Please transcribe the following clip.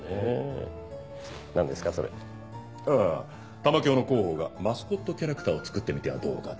玉響の広報がマスコットキャラクターを作ってみてはどうかと。